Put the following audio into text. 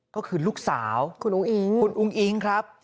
ก็คือลูกสาวคุณอุ้งคุณอุ้งอิ๊งครับ